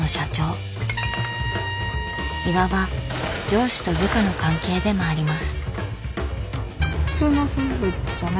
いわば上司と部下の関係でもあります。